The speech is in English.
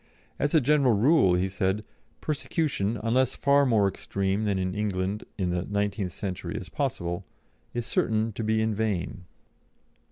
"As a general rule," he said, "persecution, unless far more extreme than in England in the nineteenth century is possible, is certain to be in vain.